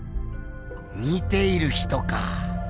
見ている人か。